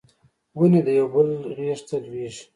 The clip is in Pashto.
ونې د یو بل غیږ ته لویږي